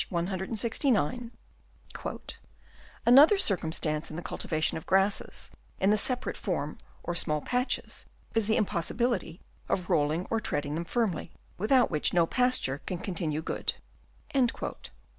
619) :" Another circumstance in the cultiva tion of grasses in the separate form or small patches, is the impossibility of rolling or treading them firmly, without which no pasture can continue good."